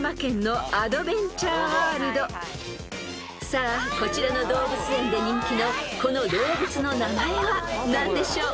［さあこちらの動物園で人気のこの動物の名前は何でしょう］